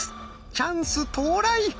チャンス到来！